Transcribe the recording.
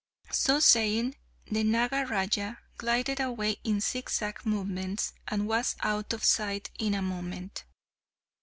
So saying, the Nagaraja glided away in zigzag movements, and was out of sight in a moment.